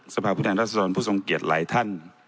สภาพุทธแห่งรัฐศาสนผู้ทรงเกียจหลายท่าน